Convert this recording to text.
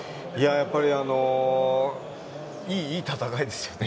やっぱりいい戦いですよね。